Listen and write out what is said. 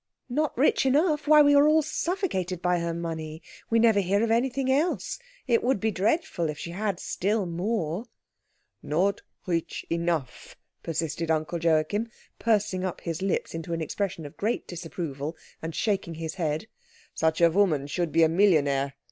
"Not rich enough? Why, we are all suffocated by her money. We never hear of anything else. It would be dreadful if she had still more." "Not rich enough," persisted Uncle Joachim, pursing up his lips into an expression of great disapproval, and shaking his head. "Such a woman should be a millionnaire.